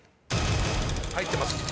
入ってます。